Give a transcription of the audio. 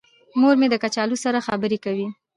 مور مې د کچالو سره خبرې کوي.